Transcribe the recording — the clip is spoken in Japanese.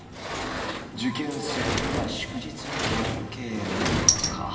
受験生には祝日は関係ないか。